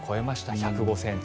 １０５ｃｍ。